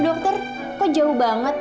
dokter kok jauh banget